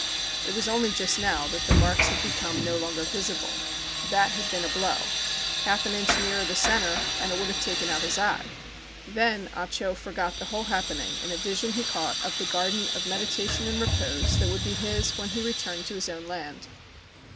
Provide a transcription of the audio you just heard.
It was only just now that the marks had become no longer visible. That had been a blow. Half an inch nearer the centre and it would have taken out his eye. Then Ah Cho forgot the whole hap pening in a vision he caught of the garden of i6ô¨ THE CHINAGO meditation and repose that would be his when he returned to his own land.